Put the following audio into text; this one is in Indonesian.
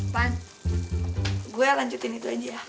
pan gue lanjutin itu aja ya